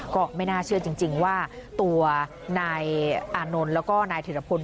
ก็ไม่น่าเชื่อจริงว่าตัวนายอานนท์แล้วก็นายธิรพล